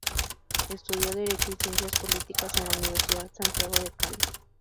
Estudió Derecho y Ciencias Políticas en la Universidad Santiago de Cali.